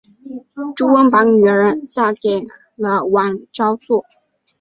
朱温把女儿嫁给了王昭祚。